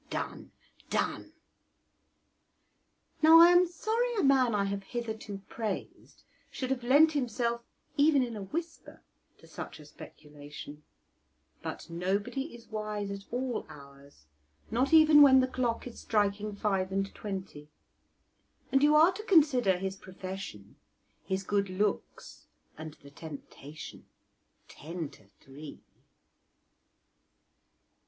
"Done, done!" Now I am sorry a man I have hitherto praised should have lent himself, even in a whisper, to such a speculation; "but nobody is wise at all hours," not even when the clock is striking five and twenty, and you are to consider his profession, his good looks, and the temptation ten to three.